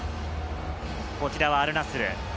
こちらはアルナスル。